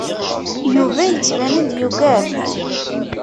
Yuba yettban-d yuggad.